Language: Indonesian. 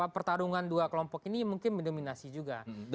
pertarungan dua kelompok ini mungkin mendominasi juga